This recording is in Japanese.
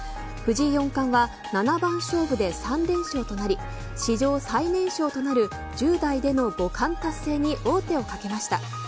藤井四冠は七番勝負で３連勝となり史上最年少となる１０代での五冠達成に王手をかけました。